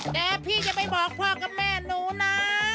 แต่พี่อย่าไปบอกพ่อกับแม่หนูนะ